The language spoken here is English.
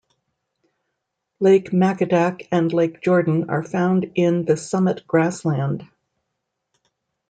Lake Macadac and Lake Jordan are found in the summit grassland.